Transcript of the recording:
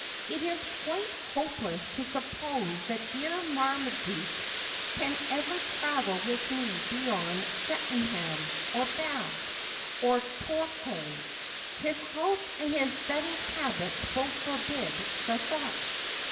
It is quite hopeless to suppose that dear Marmaduke can ever travel with me beyond Cheltenham, or Bath, or Tor quay. His health and his settled habits both forbid the thought.